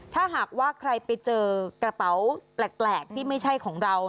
ถ้าหากว่าใครไปเจอกระเป๋าแปลกที่ไม่ใช่ของเรา